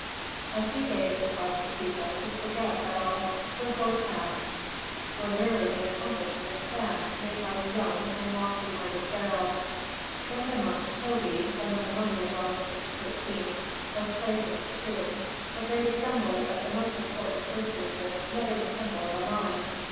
A few days sufficed the people to forget that all Herhor's acts were merely the accomplishment of plans made by the young and lofty minded pharaoh. In the month Tobi, when the mummy of Rameses XIII. was placed in its tomb, a great assembly of the most important personages met in the temple of Amon.